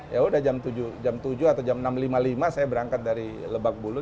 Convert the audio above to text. ya udah jam tujuh atau jam enam lima puluh lima saya berangkat dari lebak bulu